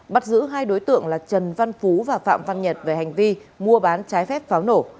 bắt giữ hai đối tượng là trần văn phú và phạm văn nhật về hành vi mua bán trái phép pháo nổ